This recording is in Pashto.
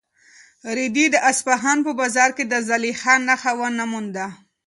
رېدي د اصفهان په بازار کې د زلیخا نښه ونه مونده.